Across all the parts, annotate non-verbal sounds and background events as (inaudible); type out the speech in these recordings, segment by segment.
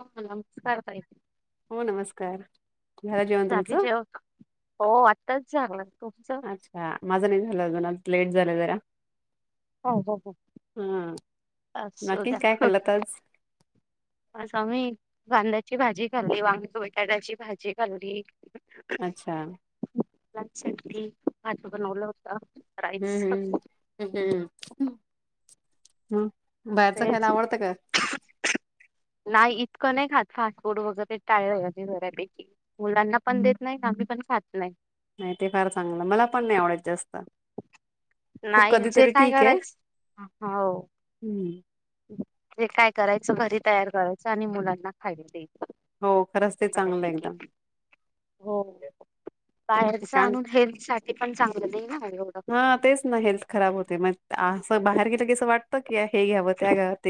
हो. (unintelligible) कारतायत. (unintelligible) जेवण रात्री तुमचं जेव हो आटताच झालं. तुमच? अच्छा माझं नाही झालं अजून आज लेट झालं जरा. हो हो हो हा असू नक्की द्द्या. काय ह खाल्लत आज आज आम्ही कांद्या ची भाजी खाल्ली, वांग बटाट्याची भाजी खाल्ली. अच्छा. (inaudible) भाजी बनवलं होत. हम्म हम् हम् हम्मम हम् हम्. बाहेरचं खायला तेच आवडतं का? नाही. इतकं नाही खात फास्ट फूड वगैरे टाळ अ घरापैकी मुलांना पण देत नाही. आम्ही पण खात नाही. नाही ते फार चांगलं मला पण नाही आवडत जास्त. खूप नाही जे कधीतरी काय ठीक आहे करायचं हो हम्म ते काय करायचं, घरी तयार करायचं आणि मुलांना खायच हो खरंच ते चांगलं एकदम. हो बाहेरच कारण आणून हेल्थ साठी पण चांगलं नाही ना. एवढं हा तेच ना हेल्थ खराब होते, मग असं बाहेर गेलं कीस वाटत क्या ह हेे आवत यागत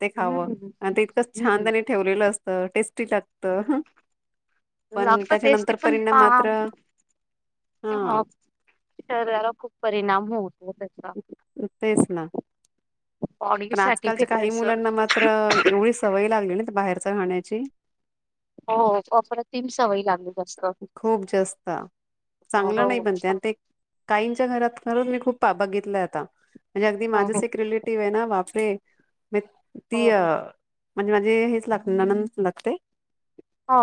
ते खावं हम्म आणि इतकं छान हम्म त्यानी ठेवलेलं असतं टेस्ट ते लागत. लागतं टेस्टी पण पा हा ह तरप परिणाम होऊन तेच ना, बॉडी पण साठी आजकालच्या काही फिटनेस मुलांना मात्र एवढी सवय लागली ना बाहेरच खण्याची. हो अप्रतिम सवयी लागली. जास्त खूप जास्त हो हो चांगलं नाही बणते आणि ते काईंच्या घरात खरच मी खूपदा बघितले (inaudible) म्हणजे अगदी हो माझंच हो एक रिलेटिव्ह ना ते म तीय हो म्हणजे माझे हेच लागते, नणंनदच लागते. हा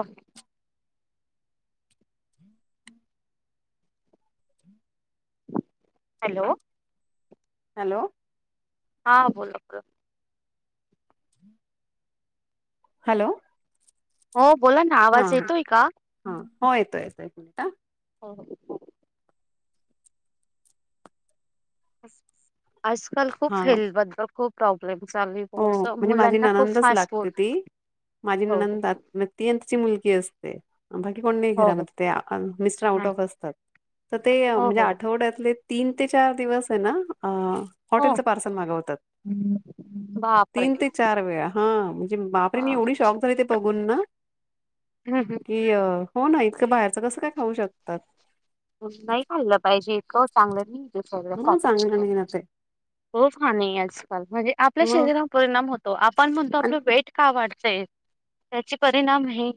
हॅलो हॅलो हा, बोला हॅलो हो बोला ना, हा आवाज येतोय का? हा हो, येतोय येतोय हा (unintelligible) बस ब आजकाल, खूप हा हेल्थबद्दल खूप प्रॉब्लेम चालू आहे हो बॉस म्हणजे माझी मुलांना खूप ननंदच फास्ट फूड लागते. ती माझी हो हो ननंद ती अन तीची मुलग ती असते बाकी कोण नाही हो हो घरामध्ये, ते मिस्टर आउट नाही ऑफ असतात, तर ते हो म्हणजे हो हो आठवड्यातले तीन ते चार दिवस है ना? अ, हो हॉटेलचं पार्सल मागवतात. बापरे तीन ते चार वेळा हा बापरे, हा मी एवढी शॉक झाले ते बघून ना हम्म, हम्म. की अ हो ना, इतकं बाहेरच कसं काय खाऊ शकतात? नाही खाल्लं पाहिजे इतकं चांगलं नाही. मग चांगलं नाही ना ते रोज खान आहे आजकाल, म्हणजे आपल्या मग शरीरावर परिणाम होतो आपण म्हणतो आणि आपलं वेट का वाढत? कसंय त्याची परिणाम हे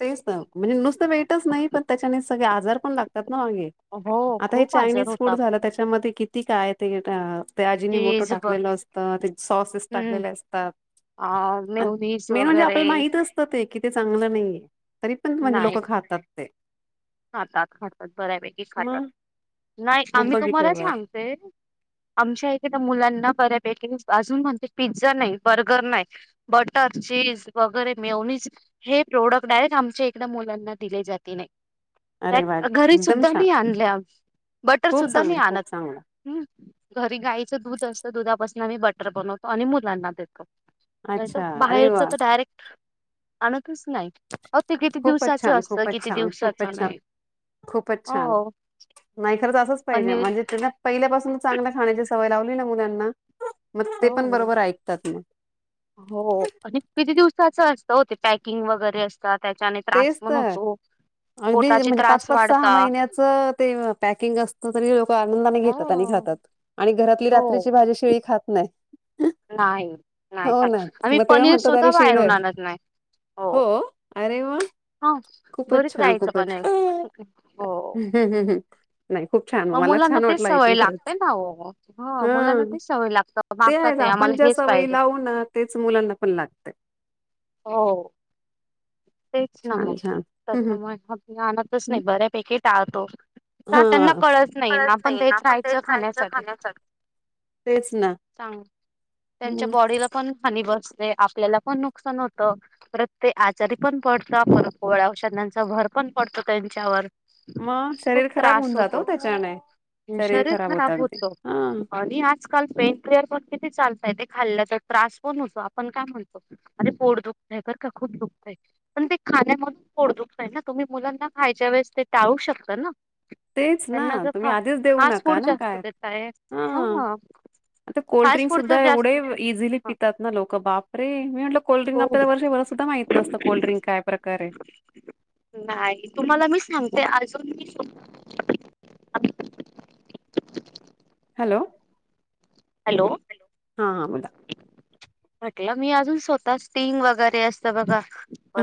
तेच ना, म्हणजे नुसतं वेटच नाही पण त्याच्याने सगळे आजार पण लागतात हो हे, हो आता हे खूप आजार चायनीज फूड होतात झालं त्याच्यामध्ये किती काय ते अजिनोमोटो चीज ब- टाकलेलं असतं, ते सॉसेस हम्म टाकलेले असतात अ आणि मेवनीस मेन म्हणजे वगैरे आपल्याला माहित असतं ते कि ते चांगलं नाहीये. तरी पण म्हणजे नाही लोकं खातात ते खातात, खातात, बऱ्यापैकी खातात, मग नाही खूप आम्ही बघितले तुम्हाला ब सांगते आमच्या इथे ना मुलांना बऱ्या बेकिंग्स, अजून म्हणते पिझ्झा नाही, बर्गर नाही, बटर, चीज वगैरे मिेवूनच हे प्रोडक्ट डायरेक्ट आमच्या एकदा मुलांना दिले जाते नाही. अरे वा त्या घरी एकदम सुद्धा छान मी आणल्या बटर खूप सुद्धा मी चांगलं आणत खूप चांगलं हम् घरी गाईचं दूध असत दुधापासून नवी बटर बनवतो आणि मुलांना देतो. अच्छा अरे बाहेरच वा तर डायरेक्ट आनत नाही ते किती दिवसाच असतं किती दिवसात चछान खूपच छान नाही खरंच अस पाहिजे आणि म्हणजे त्याच्यात पहिल्यापासून चांगल्या खाण्याची सवय लावली ना मुलांना मग ते हो पण बरोबर ऐकतात म. हो आणि किती दिवसाच असतं हो ते पॅकिंग वगैरे असतात. त्याच्याने त्रास तेच पण तर होतो अगदी पोटाचे म्हणजे पाच त्रास पाच सहा वाढता महिन्याच ते पॅकिंग असत तरी लोक आनंदाने हो. घेतात आणि खातात आणि घरातली हो रात्रीची भाजी शेळी खात नाही. नाही नाही हो ना आ्ही मग तेव्हा पनीर म्हणतात सुद्धा अरे शिळ आहे. बायरून आणत नाही हो. अरे वा ह खूपच घरीच छान राहायचं खूपच पनीर छान. हो नाही खूप छान मग मला मुलांना छान तेच वाटलं ऐकून सवय खरंच लागते ना ओ म, हो हा मुलांना तेच सवय लागत ते माग आहेच आपण ज्या सवयी लावू ना तेच मुलांना पण लागत. हो. तेच ना छान मग छान हं हं त्याच्यामुळे आणनातच नाही बऱ्यापैकी टाळतो. का त्यांना कळत नाही ना आपण देत राहायचं खाण्यासाठी तेच ना चांग त्यांच्या हम्म बॉडीला पण हनी बसत ते आपल्याला पण नुकसान होत प्रत्ये आचारी पण पडतळ औषधांचा भर पण पडतं त्यांच्यावर. मग खूप शरीर खराब त्रास होऊन जात ओ होतो त्याच्याने शरीर खराब होत आणि आजकाल पेन फ्लेअर पण किती चालत. ते खाल्ल्याचा त्रास पण होतो आपण काय म्हणतो अरे पोट दुखतंय बरं का खूप दुखत आहे पण ते खाण्यामधून पोट दुखतय ना? तुम्ही मुलांना खायच्या वेळेस ते टाळू शकता ना? तेच ना त्यांना जर तुम्ही खा आधीच देऊ फास्ट नका फूड ना जास्त काय देताय. हां हा आता फास्ट कोल्ड्रिंक फूड तर सुद्धा एवढे जास्त हो इझिली पितात ना लोक बापरे मी म्हण कोल्ड्रिंक हो. आपल्याला वर्षभर सुद्धा माहित नसतं कोल्ड्रिंक काय प्रकारे. नाही तुम्हाला मी सांगते (inaudible) हॅलो. हॅलो हा हा बोला. म्हटलं मी अजून स्वतः स्टिंग वगैरे असतं बघा.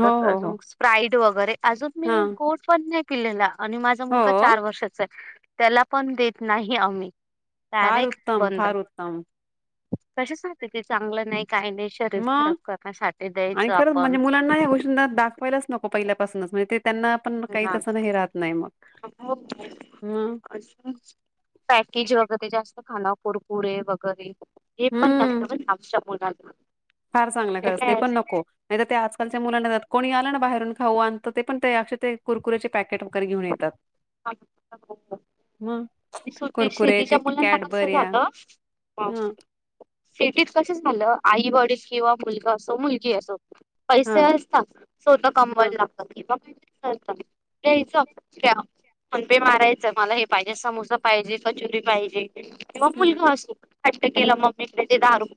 हो हो हो अजून स्प्राईट. वगैरे. अजून मी हा गोड पण नाही. केलेला. आणि माझा मुलगा हो चार वर्षाचा आहे. त्याला पण देत नाही आम्ही. फार उत्तम फार उत्तम. कश सगते ते चांगलं नाही. काही नाही शरीर खराब मग करण्यासाठी द्यायचं आपण. लाच नको पहिल्यापासच म्हज ते त्यांना पण काही तसं हे राहत नाही मग हम्म पॅकेज वगैरे जास्त खाण कुरकुरे वगैरे. हे पण हम्म नसतं पण आमच्या मुलांना. फार चांगला खरच ते पण नको. नाही तर ते आजकालच्या मुलांना जात कोणी बाहेरून खाऊ ते पण ते ते कुरकु्याचे पॅकेट वगरे घेऊन येतात. मग सुट कुरकुरे सिटीच्या ते मुलांना कस कॅडबर्या झालं ह सिटीत कस झालं. आई वडील किंवा मुलगा असो मुलगी असो. हा पैसे असतात स्वतं हा कमवायला लागतात की बघ. ल द्यायचं घ. फोन पे मारायचं मला हे पाहिजे समोसा पाहिजे कचुरी पाहिजे किंवा मुलगा असतो हट्ट केलं मम्मी दे दहा रू (inaudible)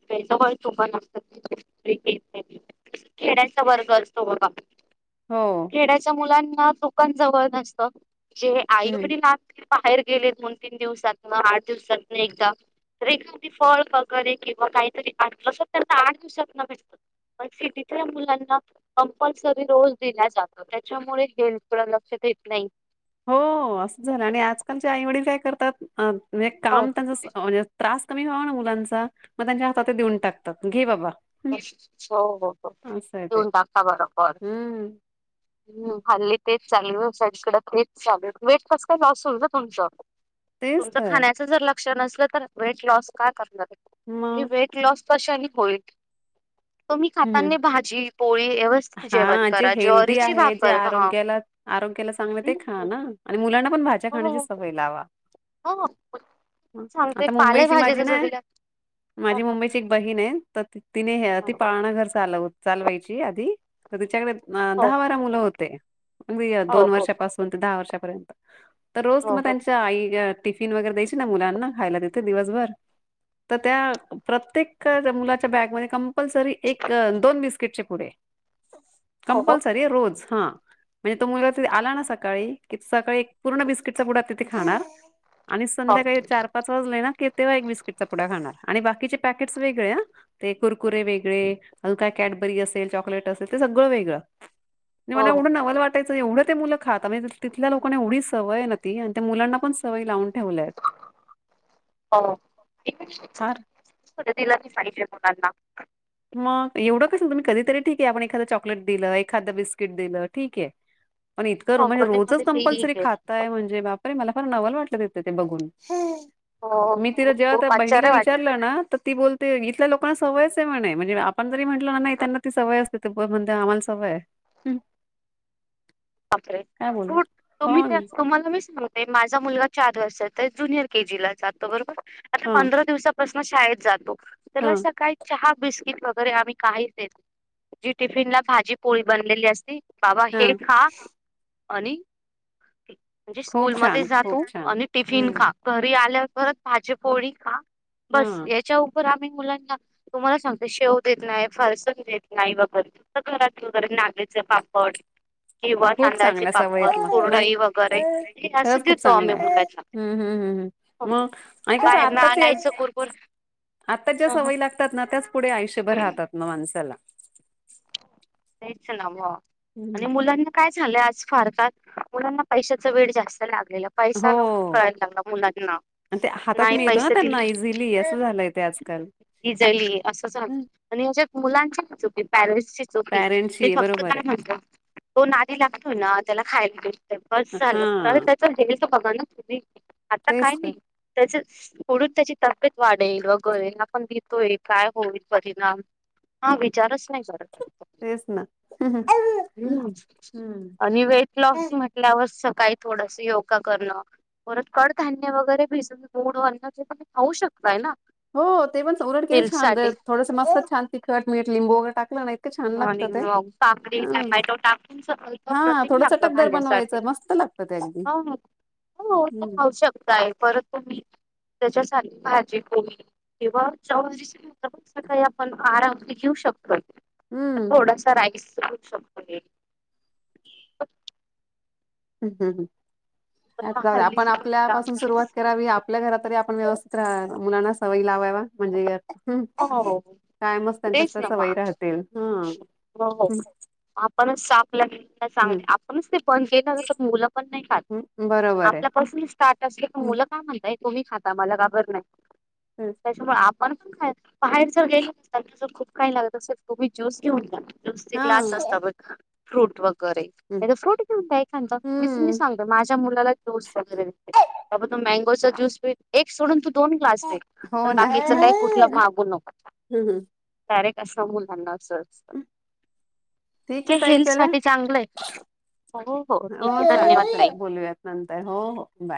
खेड्यांचा वर्ग असतो बघा. हो खेळाचे मुलां ह दुकान जवळ नसत. जे आई हम्म वडील आणती बाहेर गेले दोन तीन दिवसात ना आठ दिवसातन एकदा तर एखादी फळ वगैरे किंवा काहीतरी आलंस तर आठ दिवसात ना भेसत पण सिटीतल्या मुलांना कंपल्सरी रोज दिला जातो त्याच्यामुळे हेल्थकड लक्ष द येत नाही. पा हो असंच झालं आणि आजकालच्या आईवडील काय करतात. म्हणजे हो काम त्यांचा म्हणजे त्रास कमी व्हावा ना मुलांचा मग त्यांच्या हात देऊन टाकतात घे बाबा. हं, हो हो हो असं आहे ते देऊन टाका बरं हम्म पोरांना हल्ली तेच. ांगू साईडकड तेच चालू वेट कस काय लॉस होईल ना तुमचं? तेच तुमचं तर खाण्याच जर लक्ष नसलं तर वेट लॉस काय कर हे मग वेट लॉस कशाने होईल? तुम्ही खाताना भाजी पोळी व्यवस्थित जेवण हा जे करा हेल्दी ज्वारीची आहे जे भाकर खा आरोग्याला आरोग्याला चांगलं ते खा ना मुलाना आपण भाज्या खाण्याची हो सवय लावा. हो सांगते आता मुंबईची पालेभाजीच माझी ना चवीला हो माझी मुंबईची एक बहीण आहे तर तिनेि घर चाल चालवायची आधी तच्याकडे अ हो दहा वारा मुलं होते म्ह हो हो दोन हो वर्षापासून ते दहा वर्षा पर्यंत. तर रोज हो तुमला हो त्यांच्या आई टिफिन वगैरे द्यायची ना मुलांना खायला देते दिवसभर तर त्या प्रत्येक मुलाच्या बॅगमध्ये कंपल्सरी एक दोन बिस्कीट किटचे पुडे. हो कंपलसरी अ रोज. हा म्हणजे तो मुलगा त आला ना सकाळी कि सकाळी एक पूर्ण बस्िटचा बुडा ते खणार. आणि संध्याकाळी चार पाच वाजला ना की तेव्हा एक बिस्किटचा पुडा खाणार आणि बाकीचे पकेट वेगळे अं ते कुरकु कुकुरे वेगळे अजून काय कॅडबरी असेल चॉकलेट असेल ते सगळं वेगळं. आणि मला हो एवढं नवाल वाटयचं. एवढं ते मुलं खातातजे तिथल्या लोकना एवढ सवयव आणि त्या मुलांना पणवय लावून ठेवल्यात हो. (unintelligible) फार पाहिजे मुलांना. मग एवढं कशाला तुम्ही कधीतरी ठीक आहे आपण एखाद चॉकलेट दिलं एखादं बिस्किट दिलं ठीके. पण इतकं हो म्हणजे कधी रोजच मध्ये कंपल्सरी ठीक आहे खाताय म्हणे बापरे मला फार नवल वाटलं तिथे ते बघून. हो मी तिला जेव्हा त्या खूप बहिणीला आश्चर्य वाट विचारलं ना तर ती बोलते इथल्या लोक आपण सवयचे म्हणे. म्हणजे आपण जरी म्हटल ना नाही त्यांना ती सवय असते म्हणजे आम्हाला सवय आहे. र काय बोल हो तुम्ही ना तुम्हाला मी सांग ते माझा मुलगा चार वर्षचा जुनियर के जीला जातो बरोबर. आता हा पंधरा दिवसा पसन शाळेत जातो. हा त्याला सकाळी चहा. बिस्किट वगैरे आम्ही काहीच देत नई जी टिफिन ला भाजी पोळी बनलेली असती. बाबा हे हा खा. आणि म्हणजे खूप स्कूलमध्ये छान खूप जातो छान आणि टिफिन हम्म खा, तरी आल्या परत भाजीपोळी खा बस हा याच्या पण आम्ही मुलांना, तुम्हाला सांगते, शेव देत नाय, फरसाण देत नाय वगैरे, फक्त घरातले वगैरे नाचणीचे पापड किंवा खूप तांदळाचे चांगल्या सवयी पापड, आहेत मग. माहित, कुरडई वगैरे हे असं खरंच खूप देतो चांगलं आम्ही आहे. मुलांना हम्म हम्म हं हं मग आणि कसं बाहेर ना आताच आणायचं त कुरकुर आत्ता ज्या सवयी लागतात ना, त्याच पुढे आयष्यभर राहतात मग माणसाला तेच न्हव हम्म आणि मुलांना काय झालं आज फार फार, मुलांना पैशाचं वेड जास्त लाग (unintelligible) हो पैसा लवकर कळायला लागला मुलांना, आणि ते हातात नाही मिळतो ना पैसे त्यांना दिले इझिली असं झालंय ते आजकाल इजली असं झालं आणि याच्यात मुलांचे (unintelligible) पॅरिलीस (unintelligible) ते पॅरेंट्सची फक्त बरोबर काय आहे म्हणतात, तो नादी लागतो ना, त्याला खायला ते बस झालं, तर हा त्याच (unintelligible) (unintelligible) आता तेच काय मी, तर त्याच पुढून त्याची तब्येत वाढेल वगैरे, आपण देतोय काय होईल परिणाम, हा विचारचं तेच ना हम्म आणि वेटलॉस म्हटल्यावर सग काही थोडसं योगा करणं, परत कडधान्य वगैरे भिजून गूड वरणाच ते तुमी खाऊ शकताय ना? हो ते पण (unintelligible) केलं हेल्थ छान साठी. (unintelligible) थोडसं मस्त, छान तिखट, मीठ, लिंबू वगैरे टाक मॉर्निंग वॉक, काकडी, टमाटो टाकून सकालचं हा प्रथिन थोडस लागत टकदार खाण्यासाठी, बनवायचं मस्त लागतं ते अगदी हो हो ते हम्म खाऊ शकत आहे, परत तुम्ही त्याच्यासाठी भाजी-पोळी किंवा चविष्ट सकाळी आपण आहार आपली घेऊ शकतोय. हम्म. थोडासा राईस घेऊ शकतो एक (unintelligible) हम् हम् पण हं (unintelligible) आपण हल्लीची आपल्यापासून सुरुवात भाजी करावी. आपल्या घरात तरी आपण व्यवस्थित हां मुलांना सवयी लावायला म्हणजे यात, हं हो कायमच त्यांच्या तेच त्या ना मग. सवयी राहतील, ह्म्म हो हं काय सांग, आपणच ते पण ते तर मुलं पण नाय खात. हम्म बरोबर आहे आपल्यापासून स्टार्ट असलं तर, मुलं काय म्हणतायेत तुम्ही खाता, मला (unintelligible) नाय. त्याचामुळ आप म्हण पण काय बाहेर जर गेलं नसत तस खूप काही लागत तु्ही ज्योस घेऊन जा. नुसती हा क्लास असता पण फ्रूट व फ्रुट वगैरे. नाहीतर फ्रुट घेऊन यायला सांगत मी हम्म सगतोय माझ्या मुलाला मग ज्यूस वगैरे त्यापेक्षा मॅंगो च ज्यूस तुम्ही एक सोडून दोन दोन ग्लास देईन. हो पण ना बाकीच काही कुठलं मागू नको हं, हं. डायरेक्ट. त्या मुलांना. ठीक ते आहे ताई हेल्थ चला साठी चांगलं आहे हो ठीक आहे चालेल धन्यवाद चला तई. बोलूयात नंतर हो हो बाय